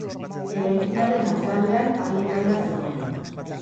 Eraikinaren atzealdean haien kaia zegoen.